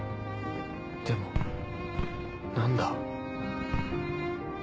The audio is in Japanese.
でも何だ？